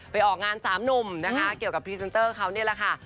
ออกงานสามหนุ่มนะคะเกี่ยวกับพรีเซนเตอร์เขานี่แหละค่ะ